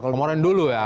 kemarin dulu ya